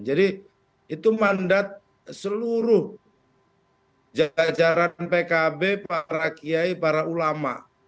jadi itu mandat seluruh jajaran pkb para kiai para ulama